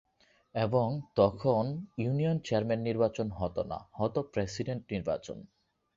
এবং তখন union chairman নির্বাচন হত না হত প্রেসিডেন্ট নির্বাচন।